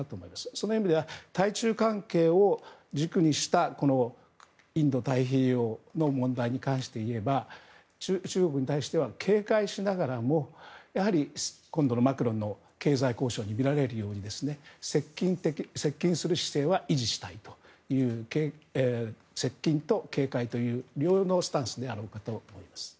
その意味では対中関係を軸にしたこのインド太平洋の問題に関して言えば中国に対しては警戒しながらもやはり、今度のマクロンの経済交渉に見られるように接近する姿勢は維持したいという接近と警戒という両方のスタンスであろうかと思います。